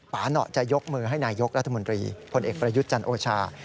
หนอจะยกมือให้นายกรัฐมนตรีพลเอกประยุทธ์จันโอชา